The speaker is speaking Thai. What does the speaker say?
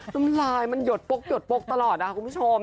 น้ำลายมันหยดปกตลอดคุณผู้ชม